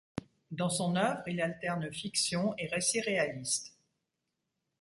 Dans son œuvre, il alterne fictions et récits réalistes.